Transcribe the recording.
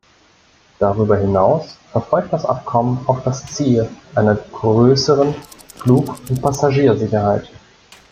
Darüber hinaus verfolgt das Abkommen auch das Ziel einer größeren Flugund Passagiersicherheit.